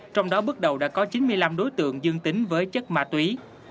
trong đó bước đầu đã có chín mươi năm đối tượng dương tính với chất ma túy